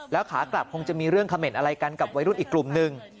ขากลับคงจะมีเรื่องเขม่นอะไรกันกับวัยรุ่นอีกกลุ่มหนึ่ง